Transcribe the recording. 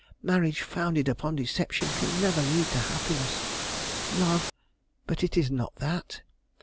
Marriage founded upon deception can never lead to happiness. Love but it is not that.